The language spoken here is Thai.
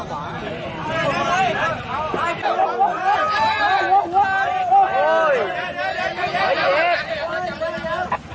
ส่วนอย่างจริงยอมโปร่งที่กัน